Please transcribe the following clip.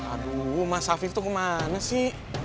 aduh mas afif tuh kemana sih